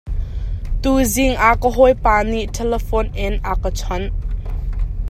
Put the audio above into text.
Tuzing ah ka hawipa nih telephone in a ka chonh.